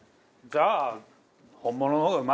じゃあ。